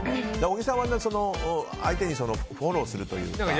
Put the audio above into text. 小木さんは、相手にフォローするというか。